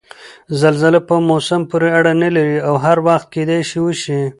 زلزله په موسم پورې اړنه نلري او هر وخت کېدای شي وشي؟